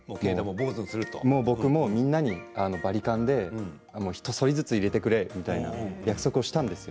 僕もみんなにバリカンでひとそりずつ入れてくれという約束をしたんですよ。